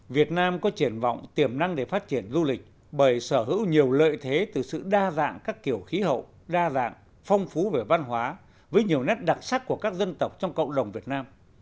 việt nam có triển vọng tiềm năng để phát triển du lịch bởi sở hữu nhiều lợi thế từ sự đa dạng các kiểu khí hậu đa dạng phong phú về văn hóa với nhiều nét đặc sắc của các dân tộc trong cộng đồng việt nam